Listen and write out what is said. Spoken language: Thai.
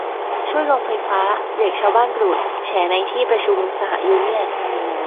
ช่วยโรงไฟฟ้า เบรคชาวบ้านกรูด แฉในที่ประชุมสหยูเนี่ยน